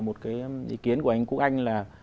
một cái ý kiến của anh cúc anh là